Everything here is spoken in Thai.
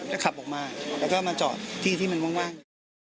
ก็ขับออกมาแล้วก็มาจอดที่ที่มันว่าง